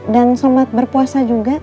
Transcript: dan selamat berpuasa juga